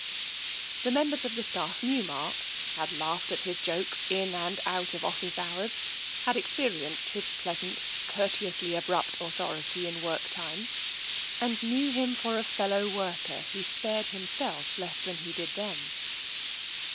The mem bers of the staff knew Mark, had laughed at his jokes in and out of office hours, had experienced his pleasant, courteously abrupt authority in work time, and knew 38 TENSION him for a fellow worker who spared himself less than he did them.